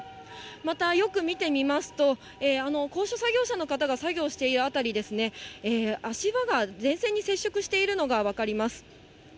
またよく見てみますと、高所作業車の方が作業している辺りですね、足場が電線に接触しているのが分かります。